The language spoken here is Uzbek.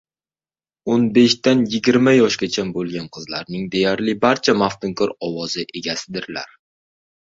• O‘n beshdan yigirma yoshgacha bo‘lgan qizlarning deyarli barchasi maftunkor ovoz egasidirlar